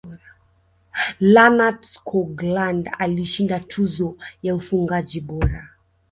lennart skoglund alishinda tuzo ya ufungaji bora